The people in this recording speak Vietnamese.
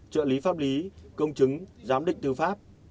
trợ lý pháp lý công chứng giám định tư pháp